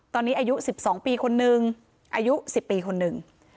ตอนนี้อายุสิบสองปีคนนึงอายุสิบปีคนนึง